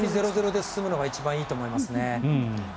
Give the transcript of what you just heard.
０−０で進むのが一番いいと思いますね。